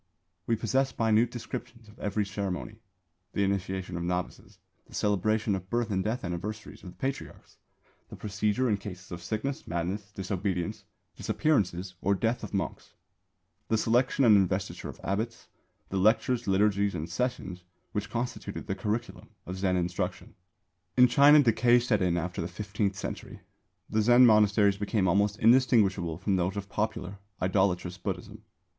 We possess minute descriptions of every ceremony the initiation of novices, the celebration of birth and death anniversaries of the Patriarchs, the procedure in cases of sickness, madness, disobedience, disappearance or death of monks; the selection and investiture of abbots; the lectures, liturgies and sessions which constituted the curriculum of Zen instruction. In China decay set in after the fifteenth century. The Zen monasteries became almost indistinguishable from those of popular, idolatrous Buddhism.